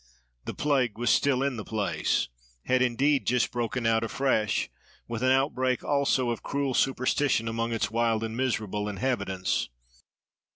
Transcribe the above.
The plague was still in the place—had indeed just broken out afresh; with an outbreak also of cruel superstition among its wild and miserable inhabitants.